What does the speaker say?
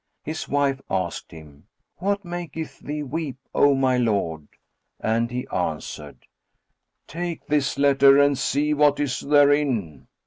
His wife asked him, "What maketh thee weep, O my lord?"; and he answered, "Take this letter and see what is therein."